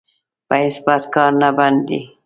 په هېڅ بد کار نه بند دی.